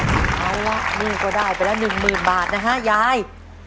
เอาละหนี้ก็ได้ไปละ๑๐๐๐บาทนะฮะยาย